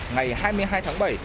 ngày hai mươi hai tháng bảy